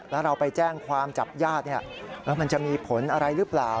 แล้วเราไปแจ้งความจับญาติมันจะมีผลอะไรหรือเปล่า